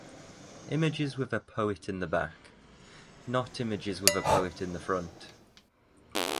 Images with a poet in the back, not images with a poet in the front.